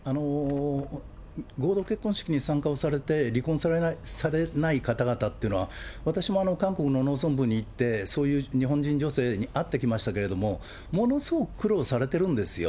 合同結婚式に参加をされて、離婚されない方々っていうのは、私も韓国の農村部に行って、そういう日本人女性に会ってきましたけれども、ものすごく苦労されてるんですよ。